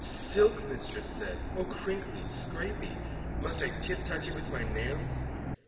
_ Silk, mistress said! O crinkly! scrapy! Must I tiptouch it with my nails?